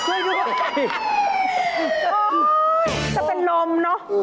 อุ๊ยจะเป็นลมเนอะ